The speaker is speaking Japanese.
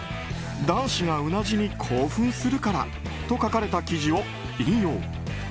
男子がうなじに興奮するからと書かれた記事を引用。